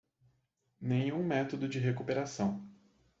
Nenhum método de recuperação